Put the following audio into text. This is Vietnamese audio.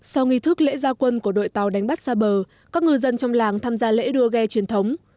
sau nghi thức lễ gia quân của đội tàu đánh bắt xa bờ các ngư dân trong làng tham gia lễ đua ghe truyền thống